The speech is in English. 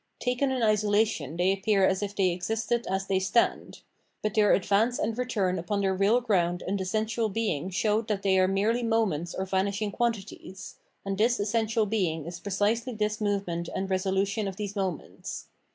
Taken in isolation they appear as if they existed as they stand. But their advance and return upon their real ground and essential being showed that they are merely moments or vanishing quantities; and this essential being is precisely this move ment and resolution of these moments.